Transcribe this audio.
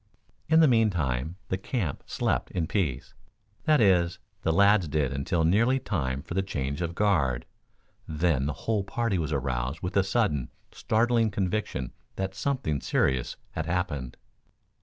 In the meantime the camp slept in peace that is, the lads did until nearly time for the change of guard. Then the whole party was aroused with the sudden, startling conviction that something serious had happened.